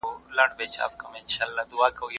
هغه د بې ځایه سختۍ مخالف و.